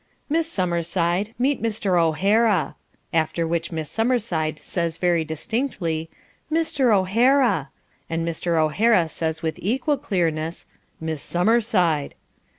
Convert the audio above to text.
"Miss Summerside, meet Mr. O'Hara," after which Miss Summerside says very distinctly, "Mr. O'Hara," and Mr. O'Hara says with equal clearness "Miss Summerside."